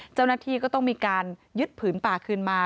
เจ้าหน้าที่ก็ต้องมีการยึดผืนป่าคืนมา